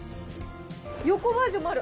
横バージョンもある。